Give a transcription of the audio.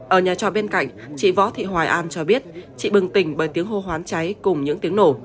ở nhà trọ bên cạnh chị võ thị hoài an cho biết chị bừng tỉnh bởi tiếng hô hoán cháy cùng những tiếng nổ